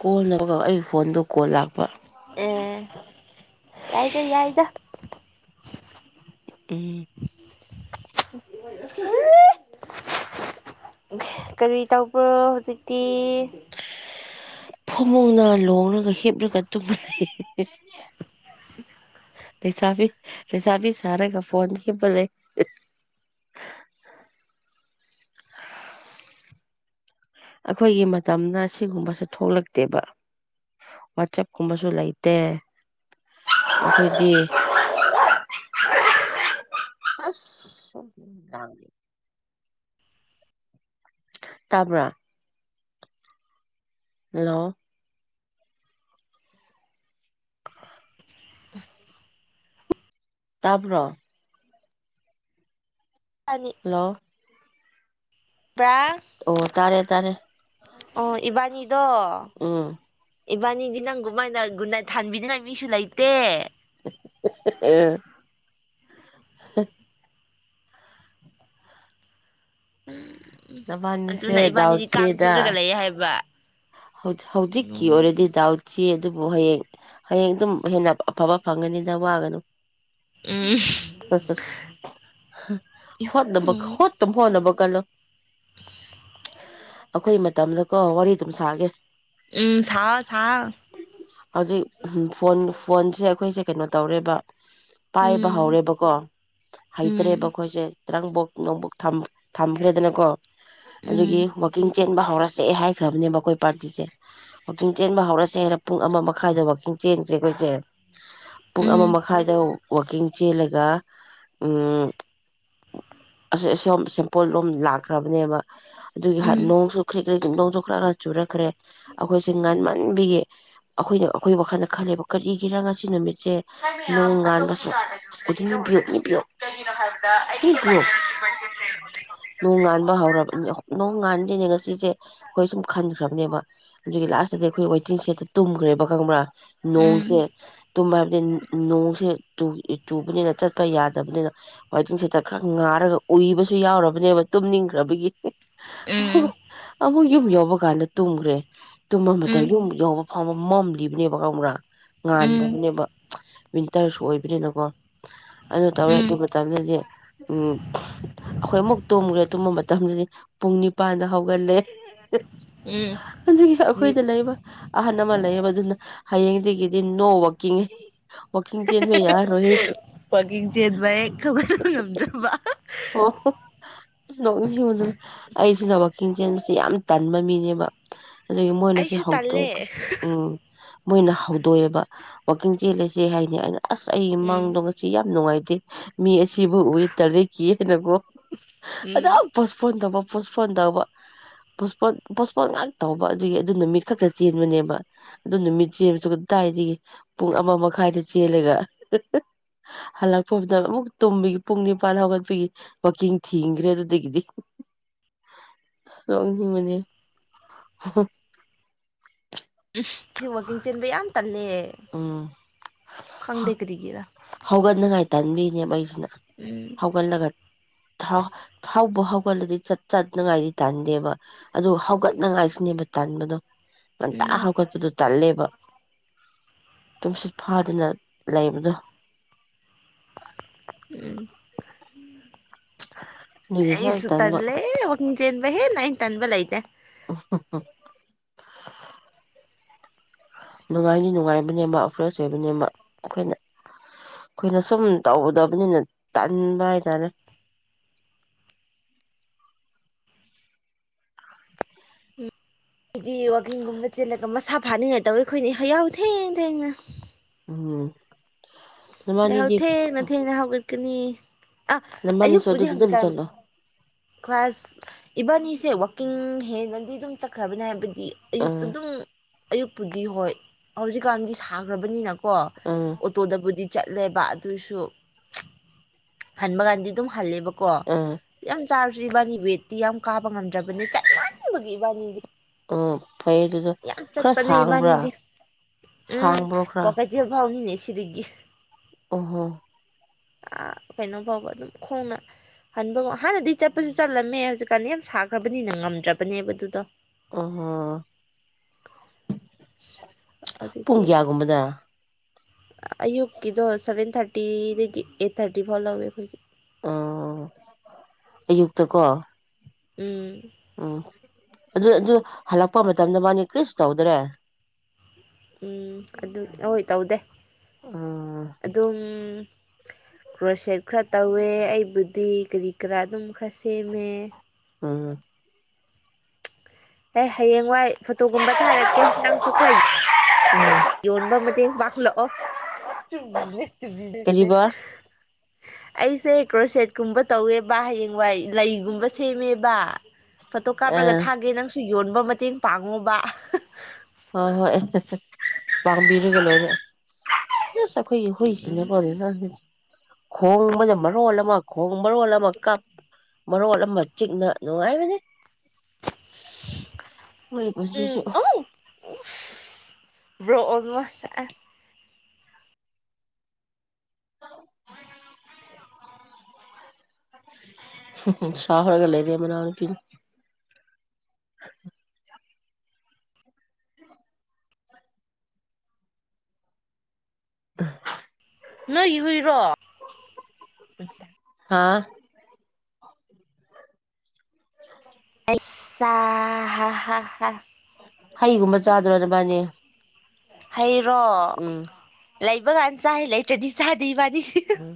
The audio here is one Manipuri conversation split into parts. ꯀꯣꯜ ꯑꯩ ꯐꯣꯟꯗꯣ ꯀꯣꯜ ꯂꯥꯛꯄ ꯑꯦ ꯌꯥꯏꯗ ꯌꯥꯏꯗ ꯎꯝ ꯀꯔꯤ ꯇꯧꯕ꯭ꯔꯣ ꯍꯧꯖꯤꯛꯇꯤ ꯐꯃꯨꯡꯅ ꯂꯣꯡꯂꯒ ꯍꯤꯞꯂꯒ ꯇꯨꯝꯕ ꯂꯩ ꯂꯩꯁꯥꯕꯤ ꯂꯩꯁꯥꯕꯤ ꯁꯥꯔꯒ ꯐꯣꯟꯅ ꯍꯤꯞꯄ ꯂꯩ ꯑꯩꯈꯣꯏꯒꯤ ꯃꯇꯝꯅ ꯁꯤꯒꯨꯝꯕꯁꯦ ꯊꯣꯛꯂꯛꯇꯦꯕ ꯋꯥꯆꯞꯀꯨꯝꯕꯁꯨ ꯂꯩꯇꯦ ꯑꯩꯈꯣꯏꯗꯤ ꯑꯁ ꯇꯥꯕ꯭ꯔ ꯍꯂꯣ ꯑ ꯇꯕ ꯏꯕꯥꯅꯤ ꯍꯜꯂꯣ ꯕ꯭ꯔꯥ ꯑꯣ ꯇꯥꯔꯦ ꯇꯔꯦ ꯑꯣ ꯏꯕꯥꯅꯤ ꯗꯣ ꯏꯕꯥꯅꯤ ꯏꯗꯤ ꯅꯪꯒꯨꯝ ꯃꯥꯏꯅꯒꯨꯅ ꯊꯥꯟꯕꯤꯅꯤꯡꯉ ꯃꯤꯁꯨ ꯂꯩꯇ [inaudible] ꯎꯝ ꯎꯝ ꯅꯕꯥꯅꯤꯁꯦ ꯑꯗꯨꯅ ꯗꯥꯎ ꯏꯕꯥꯅꯤꯗꯤ ꯀꯥꯡ ꯆꯦꯗ ꯆꯤꯛꯂꯒ ꯂꯩꯌꯦ ꯍꯥꯏꯕ ꯍꯧꯖꯤꯛꯀꯤ ꯎꯝ ꯑꯣꯏꯔꯦꯗꯤ ꯗꯥꯎ ꯁꯤ ꯑꯗꯨꯕꯨ ꯍꯌꯦꯡ ꯍꯌꯦꯡ ꯑꯗꯨꯝ ꯍꯦꯟꯅ ꯑꯐꯕ ꯐꯪꯒꯅꯤꯗ ꯋꯥꯒꯅꯨ ꯎꯝ ꯍꯣꯠ ꯅꯝꯕ ꯍꯣꯠ ꯍꯣ ꯅꯕ ꯀꯂꯣ ꯑꯩꯈꯣꯏ ꯃꯇꯝꯗꯀꯣ ꯋꯥꯔꯤ ꯑꯗꯨꯝ ꯁꯥꯒꯦ ꯎꯝ ꯁꯥꯑꯣ ꯁꯥꯑꯣ ꯍꯧꯖꯤꯛ ꯐꯣꯟ ꯐꯣꯟꯁꯦ ꯑꯩꯈꯣꯏꯁꯦ ꯀꯩꯅꯣ ꯇꯧꯔꯦꯕ ꯎꯝ ꯄꯥꯏꯕꯍꯥꯎꯔꯦꯕ ꯀꯣ ꯎꯝ ꯍꯩꯇꯔꯦꯕꯈꯣꯁꯦ ꯇ꯭ꯔꯪꯕꯣꯛ ꯅꯣꯡꯕꯣꯛ ꯊꯝꯈ꯭ꯔꯦꯗꯅꯀꯣ ꯑꯗꯨꯒꯤ ꯎꯝ ꯋꯥꯀꯤꯡ ꯆ ꯆꯦꯟꯕ ꯍꯧꯔꯁꯦ ꯍꯥꯏꯈ꯭ꯔꯕꯅꯦꯕ ꯑꯩꯈꯣꯏ ꯄꯥꯔꯇꯤꯁꯦ ꯋꯥꯛꯀꯤꯡ ꯆꯦꯟꯕ ꯍꯧꯔꯁꯦ ꯍꯥꯏꯅ ꯄꯨꯡ ꯑꯃ ꯃꯈꯥꯏꯗꯣ ꯋꯥꯛꯀꯤꯡ ꯆꯦꯟꯈ꯭ꯔꯦ ꯑꯩꯈꯣꯏꯁꯦ ꯄꯨꯡ ꯑꯃ ꯎꯝ ꯃꯈꯥꯏꯗ ꯋꯥꯀꯤꯡ ꯆꯂꯒ ꯑꯗꯨꯒ ꯑꯁꯤ ꯑꯁꯝ ꯁꯄꯣꯠ ꯂꯣꯝ ꯂꯥꯛꯈ꯭ꯔꯕꯅꯦꯕ ꯑꯗꯨꯒꯤ ꯎꯝ ꯅꯣꯡꯁꯨꯨꯈ ꯂꯧꯗꯣ ꯈꯔ ꯈꯔ ꯆꯨꯔꯛꯈ꯭ꯔꯦ ꯑꯩꯈꯣꯏ ꯁꯤ ꯉꯟꯃꯟ ꯕꯤꯌꯦ ꯑꯈꯣꯏꯅ ꯑꯈꯣꯏ ꯋꯥꯈꯜꯗ ꯈꯜꯂꯦꯕ ꯀꯔꯤꯒꯤꯔꯥ ꯉꯁꯤ ꯅꯨꯃꯤꯠꯁꯦ ꯅꯣꯡꯉꯥꯟꯕꯁꯨ [unintelligible] ꯅꯣꯡ ꯉꯥꯟꯕ ꯍꯧꯔꯕꯅꯤ ꯅꯣꯡ ꯉꯥꯟꯗꯦꯅꯦ ꯉꯁꯤꯁꯦ ꯑꯩꯈꯣꯏ ꯁꯨꯝ ꯈꯟꯈ꯭ꯔꯕꯅꯦꯕ ꯑꯗꯨꯒꯤ ꯂꯥꯁꯇꯗꯤ ꯑꯩꯈꯣꯏ ꯋꯦꯇꯤꯡ ꯁꯦꯠꯇ ꯇꯨꯝꯈ꯭ꯔꯦꯕ ꯈꯪꯕ꯭ꯔꯥ ꯎꯝ ꯅꯣꯡꯁꯦ ꯇꯨꯝ ꯍꯥꯏꯕꯗꯤ ꯅꯣꯡꯁꯦ ꯆꯨꯕꯅꯤꯅ ꯆꯠꯄ ꯌꯥꯗꯕꯅꯤꯅ ꯋꯥꯏꯇꯤꯡ ꯁꯦꯠꯇ ꯈꯔ ꯉꯥꯔꯒ ꯎꯏꯕꯁꯨ ꯌꯥꯎꯔꯕꯅꯦꯕ ꯇꯨꯝꯅꯤꯡꯈ꯭ꯔꯕꯒꯤ ꯑ ꯎꯝ ꯑꯃꯛ ꯌꯨꯝ ꯌꯧꯕ ꯀꯥꯟꯗ ꯇꯨꯝꯒꯔ꯭ꯦ ꯇꯨꯝꯃꯗ ꯎꯝ ꯌꯨꯝꯨꯛ ꯌꯧꯕ [unintelligible] ꯃꯝꯂꯤꯕꯅꯦꯕꯀ ꯑꯃꯨꯔꯥ [unintelligible] ꯎꯝ ꯉꯥꯟꯗꯕꯅꯦꯕ ꯋꯤꯟꯇꯔꯁꯨ ꯑꯣꯏꯕꯅꯤꯅꯀꯣ ꯑꯗꯨ ꯎꯝ ꯇꯧꯔꯦ ꯎꯝ ꯑꯗꯨ ꯃꯇꯝꯗꯗꯤ ꯎꯝ ꯑꯩꯈꯣꯏ ꯑꯃꯨꯛ ꯇꯨꯝꯃꯨꯔꯦ ꯇꯨꯝꯕ ꯃꯇꯝꯗꯗꯤ ꯄꯨꯡ ꯅꯤꯄꯥꯟꯗ ꯍꯧꯒꯠꯂꯦ ꯎꯝ ꯑꯗꯨꯒꯤ꫰ꯑꯩꯈꯣꯏꯗ ꯂꯩꯕ ꯑꯍꯜ ꯑꯃ ꯂꯩꯌꯦꯕ ꯑꯗꯨꯅ ꯍꯌꯦꯡ ꯗꯤ ꯅꯣ ꯋꯥꯀꯤꯡ ꯋꯥꯛꯀꯤꯡ ꯆꯦꯟꯕ ꯌꯥꯔꯔꯣꯏꯍꯦ ꯋꯥꯋꯥꯛꯀꯤꯡ ꯆꯦꯟꯕ ꯍꯦꯛ ꯍꯧꯒꯠꯄ ꯉꯝꯗ꯭ꯔꯕ ꯑꯣ ꯅꯣꯛꯅꯤꯡꯕ ꯑꯩꯁꯤꯅ ꯋꯥꯛꯀꯤꯡ ꯆꯦꯟꯕꯁꯦ ꯌꯥꯝ ꯇꯟꯕ ꯃꯤꯅꯦꯕ ꯑꯗꯒꯤ ꯃꯣꯏꯅ ꯁꯤ ꯑꯩꯁꯨ ꯍꯧꯗꯣꯛ ꯇꯜꯂꯦ ꯎꯝ ꯃꯣꯏꯅ ꯍꯧꯗꯣꯛꯑꯦꯕ ꯋꯥꯛꯀꯤꯡ ꯆꯦꯜꯂꯁꯦ ꯍꯥꯏꯅꯤ ꯑꯩꯅ ꯑꯁ ꯑꯩ ꯎꯝ ꯃꯡꯗꯣ ꯉꯁꯤ ꯌꯥꯝ ꯅꯨꯡꯉꯥꯏ ꯃꯤ ꯁꯤꯕꯨ ꯑꯣꯏꯣꯏ ꯇꯔ [unintelligible] ꯀꯦꯅꯒꯣ ꯎꯝ ꯑꯗꯨꯝ ꯄꯣꯁꯄꯣꯟ ꯇꯧꯕ ꯄꯣꯁꯄꯣꯟ ꯇꯧꯕ ꯄꯄꯣꯟ ꯄꯣꯁꯄꯣꯟ ꯉꯥꯛ ꯇꯧꯕ ꯑꯗꯨꯒꯤ ꯑꯗꯨ ꯅꯨꯃꯤꯠ ꯈꯛꯇ ꯆꯦꯟꯕꯅꯦꯕ ꯑꯗꯨ ꯅꯨꯃꯤꯠ ꯆꯦꯟꯕꯁꯨ ꯄꯣꯁꯠꯄꯣꯟ ꯉꯛ ꯇꯧꯕ ꯑꯗꯨꯒꯤ ꯑꯗꯨ ꯅꯨꯃꯤꯠ ꯈꯛꯇ ꯆꯦꯟꯕꯅꯦꯕ ꯑꯗꯨ ꯅꯨꯃꯤꯠ ꯆꯦꯜꯂꯁꯨ ꯀꯗꯥꯏꯗꯒꯤ ꯄꯨꯡ ꯑꯃ ꯃꯈꯥꯏꯗ ꯆꯦꯜꯂꯒ ꯍꯜꯂꯛꯄꯗ ꯑꯃꯨꯛ ꯇꯨꯝꯃꯤꯒꯤ ꯄꯨꯡ ꯅꯤꯄꯥꯟ ꯍꯧꯒꯠ ꯋꯥꯛꯀꯤꯡ ꯊꯤꯡꯈ꯭ꯔꯦ ꯑꯗꯨꯗꯒꯤꯗꯤ ꯂꯧꯣꯛꯅꯤꯡꯕꯅꯦ ꯁꯤ ꯋꯥꯀꯤꯡ ꯆꯦꯟꯕ ꯌꯥꯝ ꯇꯟ ꯑꯦ ꯎꯝ ꯈꯪꯗꯦ ꯀꯔꯤꯒꯤꯔꯥ ꯇꯟꯕꯤꯅꯦꯕꯩꯁꯅ ꯎꯝ ꯍꯧꯒꯜꯂꯒꯠ ꯥꯊꯥꯎꯕ ꯍꯧꯒꯠꯂꯗꯤ ꯆꯠ ꯆꯠꯅꯉꯥꯏꯗꯤ ꯇꯥꯟꯗꯦꯕ ꯑꯗꯨ ꯍꯧꯒꯠꯅꯉꯥꯏꯁꯤꯅꯦꯕ ꯇꯟꯕꯗꯣ ꯉꯟꯇꯥ ꯎꯝ ꯍꯧꯒꯠꯄꯗꯨ ꯇꯜꯂꯦꯕ ꯇꯨꯝꯁꯤꯠ ꯐꯥꯗꯅ ꯂꯩꯕꯗꯣ ꯎ [unintelligible] ꯑꯗꯨꯒꯤ ꯍꯦꯛ ꯑꯩꯁꯨ ꯇꯟꯕ ꯇꯟꯂꯦ ꯋꯥꯛꯀꯤꯡ ꯆꯦꯟ ꯍꯦ ꯅ ꯏꯟ ꯇꯟꯕꯂꯥꯏꯇ ꯎ [unintelligible] ꯅꯨꯡꯉꯥꯏꯅꯤ ꯅꯨꯡꯉꯥꯏꯕꯅꯦꯕ ꯐ꯭ꯔꯦꯁ ꯑꯣꯏꯕꯅꯦꯕ ꯑꯩꯈꯣꯏꯅ ꯑꯩꯈꯣꯏꯅ ꯁꯨꯝ ꯇꯧꯒꯗꯕꯅꯤꯅ ꯇꯟꯕ ꯍꯥꯏꯇꯥꯔꯦ ꯍꯥꯏꯗꯤ ꯋꯥꯛꯀꯤꯡꯒꯨꯝꯕ ꯆꯦꯜꯂꯒ ꯃꯁꯥ ꯐꯥꯅꯤꯡꯉꯥꯏ ꯇꯧꯏ ꯑꯩꯈꯣꯏꯅ ꯍꯌꯥꯎ ꯊꯦꯡ ꯊꯦꯡꯅ ꯎꯝ ꯌꯥ ꯅꯕꯥꯅꯤꯗꯤ ꯊꯦ ꯅꯊꯦ ꯌꯥꯍ ꯀ ꯅꯤ ꯑ ꯅꯕꯥꯅꯤꯁꯨ ꯑꯌꯨꯛꯄꯨꯗꯤ ꯑꯗꯨꯗ ꯑꯗꯨꯝ ꯍꯧꯖꯤꯛꯀꯥꯟ ꯆꯠꯂꯣ ꯀ꯭ꯂꯥꯁ ꯏꯕꯥꯟꯅꯤꯁꯦ ꯍꯦꯟꯅꯗꯤ ꯑꯗꯨꯝ ꯆꯠꯈ꯭ꯔꯕꯅꯦ ꯍꯥꯏꯕ ꯌ ꯎꯝ ꯑꯗꯨꯝ ꯑꯌꯨꯛꯄꯨꯗꯤ ꯍꯣꯏ ꯍꯧꯖꯤꯛꯀꯥꯟꯗꯤ ꯁꯥꯈ꯭ꯔꯕꯅꯤꯅ ꯀ ꯎꯝ ꯕꯨꯗꯤ ꯆꯠꯂꯦꯕ ꯑꯗꯨꯁꯨ ꯍꯟꯕ ꯀꯥꯟꯗꯤ ꯑꯗꯨꯝ ꯍꯜꯂꯦꯕ ꯀꯣ ꯎꯝ ꯌꯥꯝ ꯆꯥꯁꯤꯕꯥꯅꯤꯕꯦꯇꯤ ꯌꯥꯝ ꯀꯥꯕ ꯉꯝꯗ꯭ꯔꯕꯅꯦ ꯆꯠ ꯃꯥꯟꯅꯕꯒꯤ ꯏꯕꯥꯅꯤꯗꯤ ꯎꯝ ꯐꯩꯌꯦ ꯑꯗꯨꯗꯣ ꯌꯥꯝ ꯈꯔ ꯆꯠꯄꯅꯦ ꯁꯥꯡꯕ꯭ꯔꯥ ꯏꯕꯥꯅꯤꯗꯤ ꯎꯝ ꯁꯥꯡꯕ꯭ꯔꯣ ꯀꯣ ꯀꯩꯊꯦꯜ ꯐꯥꯎꯅꯤꯅꯦ ꯁꯤꯔꯤꯗꯒꯤ ꯑꯍꯣ ꯑ ꯀꯩꯅꯣ ꯐꯥꯎꯕ ꯑꯗꯨꯝ ꯈꯣꯡꯅ ꯍꯟꯕ ꯍꯥꯟꯅꯗꯤ ꯆꯠꯄꯁꯨ ꯆꯠꯂꯝꯃꯦ ꯍꯧꯖꯤꯛꯀꯥꯟꯗꯤ ꯌꯥꯝ ꯁꯥꯈ꯭ꯔꯕꯅꯤꯅ ꯉꯝꯗ꯭ꯔꯕꯅꯦꯕ ꯑꯗꯨꯗꯣ ꯑꯣ ꯄꯨꯡ ꯑꯗꯨꯗꯤ ꯀꯌꯥꯒꯨꯝꯕꯗ ꯑꯌꯨꯛꯀꯤꯗꯣ ꯁꯚꯦꯟ ꯊꯥꯔꯇꯤꯗꯒꯤ ꯑꯩꯠ ꯊꯥꯔꯇꯤ ꯐꯥꯎ ꯂꯧꯋꯦ ꯑꯩꯈꯣꯏꯒꯤ ꯑꯣ ꯑꯌꯨꯛꯇꯀꯣ ꯎꯝ ꯎꯝ ꯑꯗꯨ ꯑꯗꯨ ꯍꯜꯂꯛꯄ ꯃꯇꯝꯗ ꯃꯥꯅꯤ ꯀ꯭ꯔꯤꯁꯨ ꯇꯧꯗ꯭ꯔꯦ ꯎꯝ ꯑꯗꯨ ꯍꯣꯏ ꯇꯧꯗꯦ ꯎꯝ ꯑꯗꯨꯝ ꯭ꯔꯣ ꯁꯦꯠ ꯈꯔ ꯇꯧꯋꯦ ꯑꯩꯕꯨꯗꯤ ꯀꯔꯤ ꯀꯔꯥ ꯑꯗꯨꯝ ꯈꯔ ꯁꯦꯝꯃꯦ ꯑꯥ ꯑꯦ ꯍꯌꯦꯡꯋꯥꯏ ꯐꯣꯇꯣꯒꯨꯝꯕ ꯊꯥꯔꯛꯀꯦ ꯅꯪꯁꯨ ꯈꯔ ꯎꯝ ꯌꯣꯟꯕ ꯃꯇꯦꯡ ꯄꯥꯡꯠꯂꯛꯑꯣ ꯆꯗꯦ ꯀꯔꯤꯕ ꯑꯩꯁꯦ ꯀꯒ꯭ꯔꯣꯁꯦꯠꯀꯨꯝꯕ ꯇꯧꯋꯦꯕ ꯍꯌꯦꯡꯋꯥꯏ ꯂꯩꯒꯨꯝꯕ ꯁꯦꯝꯃꯦꯕ ꯐꯣꯇꯣ ꯀꯥꯞꯔꯒ ꯑꯥ ꯊꯥꯒꯦ ꯅꯪ ꯁꯨ ꯌꯣꯟꯕ ꯃꯇꯦꯡ ꯄꯥꯡꯉꯨꯕ ꯂꯕꯤꯔꯒꯦꯔ ꯍ ꯍꯣꯏꯁꯤꯅ ꯎꯝ ꯄꯔꯦꯅ ꯈꯣꯡꯕꯅ ꯃꯔꯣꯜ ꯑꯃ ꯈꯣꯡ ꯃꯔꯣꯜ ꯑꯃ ꯀꯞ ꯃꯔꯣꯜ ꯑꯃ ꯆꯤꯛꯅ ꯅꯨꯡꯉꯥꯏꯕꯅꯤ ꯍꯣꯏ ꯄꯨꯖꯤꯁꯨ ꯭ꯔꯣꯡ ꯑꯣꯣꯅꯃꯁ ꯑ ꯍ ꯁ ꯍꯔꯒ ꯂꯩꯗꯦ ꯃꯅ ꯄ ꯑ ꯅꯣꯏ ꯍꯨꯏꯔꯣ ꯑ ꯑꯁ ꯍ ꯍ ꯍ ꯍꯩꯒꯨꯝꯕ ꯆꯥꯗ꯭ꯔꯣ ꯅꯕꯟꯅꯤ ꯑꯣ ꯍꯩꯔꯣ ꯂꯩꯕ ꯀꯥꯟ ꯆꯥꯏꯦ ꯂꯩꯇ꯭ꯔꯗꯤ ꯆꯥꯗꯤ ꯎꯝ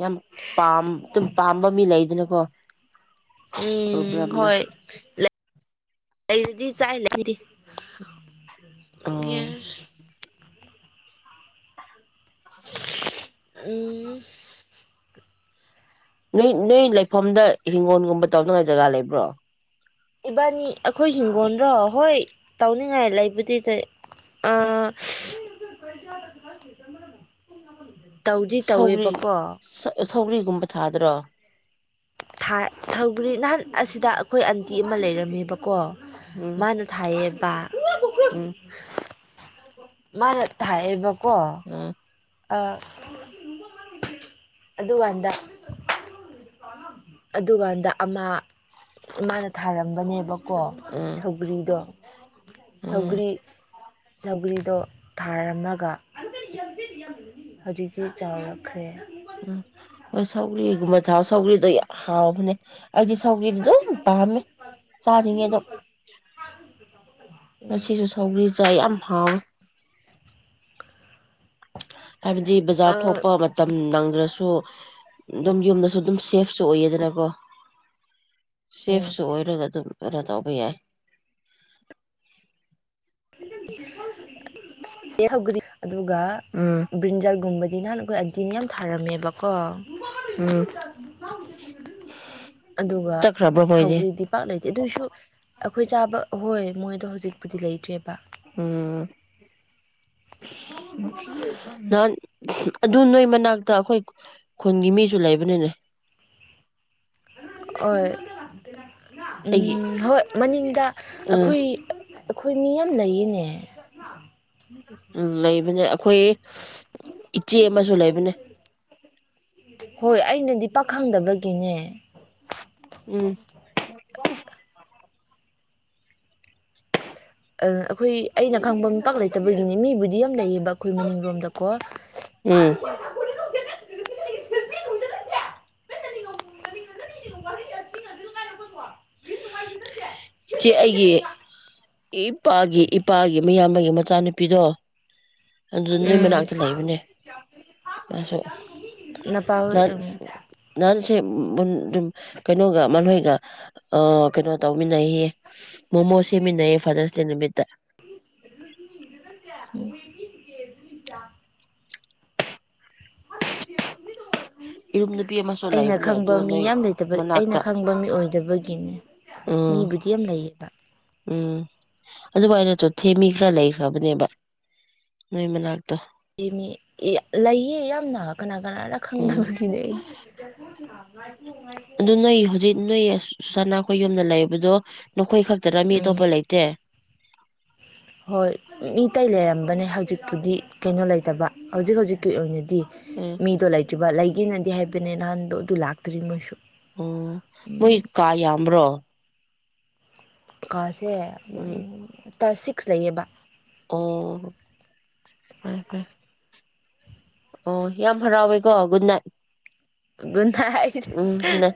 ꯌꯥꯝ ꯄꯥꯝ ꯑꯗꯨꯝ ꯄꯥꯝꯕ ꯃꯤ ꯂꯩ ꯑꯗꯨꯅꯀꯣ ꯎꯝ ꯍꯣꯏ ꯂꯩꯔꯗꯤ ꯆꯥꯏ ꯂꯩꯗꯤ ꯕꯤꯍꯔ ꯇꯥꯕꯥ ꯉꯝꯗꯔꯦ [inaudible] ꯎꯝ ꯅꯣꯏ ꯅꯣꯏ ꯂꯩꯐꯝꯗ ꯍꯤꯡꯒꯣꯜꯒꯨꯝꯕ ꯇꯧꯅꯉꯥꯏ ꯖꯒꯥ ꯂꯩꯕ꯭ꯔꯣ ꯏꯕꯥꯅꯤ ꯑꯩꯈꯣꯏ ꯍꯤꯡꯒꯣꯟꯜꯗ꯭ꯔꯣ ꯍꯣꯏ ꯇꯧꯅꯤꯡꯉꯥꯏ ꯂꯩꯕꯨꯗꯤꯗꯤ ꯑ ꯇꯧꯗꯤ ꯇꯧꯋꯦꯕꯀꯣ ꯁꯧꯒꯔꯤꯒꯨꯝꯕ ꯊꯥꯗ꯭ꯔꯣ ꯊꯧꯕꯔꯤ ꯅꯍꯥꯟ ꯑꯁꯤꯗ ꯑꯩꯈꯣꯏ ꯑꯟꯇꯤ ꯑꯃ ꯂꯩꯔꯝꯃꯦꯕꯀꯣ ꯎꯝ ꯃꯥꯅ ꯊꯌꯦꯕ ꯎꯝ ꯃꯥ ꯊꯥꯏꯌꯦꯕ ꯀ ꯎꯝ ꯑꯗꯨꯀꯥꯟꯗ ꯑꯗꯨꯀꯥꯟꯗ ꯑꯃ ꯃꯥꯥꯅ ꯊꯥꯔꯝꯕꯅꯦꯕ ꯀꯣ ꯎꯝ ꯁꯧꯒꯔꯤꯗ ꯎꯝ ꯁꯧꯒꯔꯤ ꯆꯧꯒ꯭ꯔꯤꯗꯣ ꯊꯥꯔꯝꯃꯒ ꯍꯧꯖꯤꯛꯁꯤ ꯆꯥꯎꯔꯛꯈ꯭ꯔꯦ ꯎꯝ ꯍꯣꯏ ꯁꯧꯒ꯭ꯔꯤꯒꯨꯝꯕ ꯊꯥꯎ ꯁꯧꯒ꯭ꯔꯤꯗꯣ ꯌꯥꯝ ꯍꯥꯎꯕꯅꯦ ꯑꯩꯗꯤ ꯁꯧꯒꯤꯔꯤꯗꯣ ꯄꯥꯝꯃꯦ ꯆꯥꯅꯤꯡꯉꯦ ꯑꯗꯨꯣ ꯎꯝ ꯉꯁꯤꯁꯨ ꯁꯧꯒ꯭ꯔꯤ ꯆꯥꯏ ꯌꯥꯝ ꯍꯥꯎꯋꯦ ꯍꯥꯏꯕꯗꯤ ꯕꯖꯥꯔ ꯊꯣꯛꯄ ꯎꯝ ꯃꯇꯝ ꯅꯪ ꯑꯗꯨꯗꯁꯨ ꯑꯗꯨꯝ ꯌꯨꯝꯗꯁꯨ ꯑꯗꯨꯝ ꯁꯦꯐꯁꯨ ꯑꯣꯏꯌꯦꯗꯅꯀꯣ ꯁꯦꯐꯁꯨ ꯑꯣꯏꯔꯒ ꯑꯗꯨꯝ ꯈꯔꯥ ꯇꯥꯎꯕꯤꯌꯥ ꯑꯦ ꯁꯧꯒꯗꯤ ꯑꯗꯨꯒ ꯎꯝ ꯭ꯔꯤꯟꯖꯜꯒꯨꯝꯕꯗꯤ ꯑꯗꯨ ꯊꯥꯔꯝꯃꯦꯕꯀꯣ ꯎꯝ ꯑꯗꯨꯒ ꯆꯠꯈ꯭ꯔꯕ꯭ꯔꯣ ꯃꯣꯏꯗꯤ ꯁꯧꯒ꯭ꯔꯤꯗꯤ ꯄꯥꯛ ꯂꯩꯇꯦ ꯑꯗꯨꯑꯣꯏꯁꯨ ꯑꯩꯈꯣꯏ ꯆꯥꯕ ꯍꯣꯏ ꯃꯣꯏꯗꯣ ꯍꯧꯖꯤꯛꯄꯨꯗꯤ ꯂꯩꯇ꯭ꯦꯕ ꯎꯝ ꯅꯥꯟ ꯑꯗꯨ ꯅꯣꯏ ꯃꯅꯥꯛꯇ ꯑꯩꯈꯣꯏ ꯈꯨꯟꯒꯤ ꯃꯤꯁꯨ ꯂꯩꯕꯅꯤꯅꯦ ꯑꯩꯒꯤ ꯑꯣꯏꯣꯏ ꯍꯣꯏ ꯃꯅꯤꯡꯗ ꯎꯝ ꯑꯩꯈꯣꯏ ꯑꯩꯈꯣꯏ ꯃꯤ ꯌꯥꯝ ꯂꯩꯌꯦꯅꯦ ꯎ ꯂꯩ ꯑꯩꯈꯣꯏ ꯏꯆꯦ ꯑꯃꯁꯨ ꯂꯩ ꯑꯗꯨꯅꯦ ꯍꯣꯏ ꯑꯩꯅꯗꯤ ꯄꯥꯈꯪꯗꯕꯒꯤꯅꯦ ꯎꯝ ꯑ ꯑꯩꯈꯣꯏ ꯑꯩꯅ ꯈꯥꯡꯕꯄꯥꯛ ꯂꯩꯇꯕꯒꯤꯅꯤ ꯃꯤꯕꯨꯗꯤ ꯂꯩꯌꯦꯕꯕꯥ ꯑꯩꯈꯣꯏ ꯃꯅꯤꯡꯂꯣꯝꯗꯀꯣ ꯎꯝ ꯏ ꯏꯄꯥꯒꯤ ꯏꯄꯥꯒꯤ ꯃꯤꯌꯥꯝ ꯑꯃꯒꯤꯒꯤ ꯃꯆꯥꯅꯨꯄꯤꯗꯣ ꯑꯗꯨꯗ ꯅꯣꯏ ꯎꯝ ꯃꯅꯥꯛꯇ ꯂꯩꯕꯅꯦ ꯃꯥꯁꯨ ꯅꯄꯥ ꯍꯣꯏ ꯅꯍꯥꯟ ꯎꯝ ꯅꯍꯥꯟꯁꯦ ꯑꯗꯨꯝ ꯀꯩꯅꯣꯒ ꯃꯣꯏꯒ ꯀꯩꯅꯣ ꯇꯧꯃꯤꯟꯅꯩꯌꯦ ꯃꯣꯃꯣ ꯁꯦꯝꯃꯤꯟꯅꯩꯌꯦ ꯐꯥꯗꯔꯁ ꯗꯦ ꯅꯨꯃꯤꯠꯇ ꯠꯇꯣꯏ ꯀꯦ ꯛꯇꯥ ꯍꯂꯃꯤ ꯏꯔꯨꯝ ꯅꯨꯄꯤ ꯑꯃꯁꯨ ꯇꯣ ꯑꯩꯅ ꯂꯩꯕꯅꯦ ꯑꯗꯨ ꯈꯪꯕ ꯃꯤ ꯅꯣꯏ ꯌꯥꯝ ꯂꯩꯇꯕ ꯑꯩꯅ ꯃꯅꯥꯛꯇ ꯈꯪꯕ ꯃꯤ ꯑꯣꯏ ꯑꯗꯨꯕꯒꯤꯅꯦ ꯎꯝ ꯎꯝ ꯑꯗꯨꯕꯨ ꯑꯩꯅꯁꯨ ꯊꯦꯝꯃꯤ ꯈꯔ ꯂꯩꯈ꯭ꯔꯕꯅꯦꯕ ꯅꯣꯏ ꯃꯅꯥꯛꯇ ꯑꯦ ꯃꯤ ꯂꯩꯌꯦ ꯌꯥꯝꯅ ꯀꯅꯥ ꯀꯅꯥꯅ ꯎꯝ ꯈꯪꯗꯕꯅꯤꯅꯦ ꯑꯩ ꯄꯨꯅ ꯑꯗꯨ ꯅꯣꯏ ꯍꯧꯖꯤꯛ ꯅꯣꯏ ꯁꯅ ꯑꯩꯈꯣꯏ ꯌꯨꯝꯗ ꯂꯩꯌꯦꯕꯗꯣ ꯑꯩꯈꯣꯏ ꯈꯛꯇꯗꯃꯤ ꯎꯝ ꯑꯇꯣꯞꯄ ꯂꯩꯇꯦ ꯍꯣꯏ ꯃꯤ ꯇ ꯂꯩꯔꯝꯕꯅꯦ ꯍꯧꯖꯤꯛꯄꯨꯗꯤ ꯀꯩꯅꯣ ꯂꯩꯇꯕ ꯍꯧꯖꯤꯛ ꯍꯧꯖꯤꯛꯀꯤ ꯑꯣꯏꯅꯗꯤ ꯎꯝ ꯃꯤ ꯇꯣ ꯂꯩꯥꯏ ꯇ꯭ꯔꯤꯕ ꯂꯩꯒꯦꯅꯗꯤ ꯍꯥꯏꯕꯅꯦ ꯅꯍꯥꯟꯗꯣ ꯑꯗꯨ ꯂꯥꯛꯇꯔꯤ ꯃꯣꯏꯁꯨ ꯑꯣ ꯃꯣꯏ ꯎꯝ ꯀꯥ ꯌꯥꯝ꯭ꯔꯣ ꯀꯥ ꯁꯤ ꯎꯝ [unintelligible] ꯄꯥ ꯁꯤꯛꯁ ꯂꯩꯌꯦꯕ ꯑꯣ ꯄꯩ ꯄꯦꯏ ꯑꯣ ꯌꯥꯝ ꯍꯔꯥꯎꯋꯦꯀꯣ ꯒꯨꯗ ꯅꯥꯏꯠ ꯀꯟꯒꯟ ꯍꯥꯏ [inaudible] ꯎꯝ ꯒꯨꯗ ꯅꯥꯏꯠ꯫